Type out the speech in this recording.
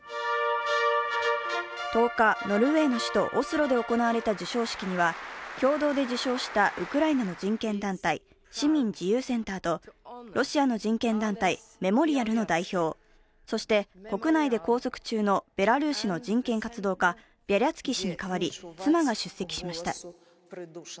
１０日、ノルウェーの首都オスロで行われた授賞式には共同で受賞したウクライナの人権団体・市民自由センターとロシアの人権団体、メモリアルの代表、そして国内で拘束中のベラルーシの人権活動家、ビャリャツキ氏に代わり妻が出席しました。